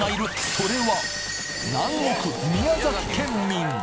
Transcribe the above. それは南国宮崎県民！